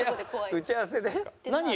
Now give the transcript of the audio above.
打ち合わせ中に？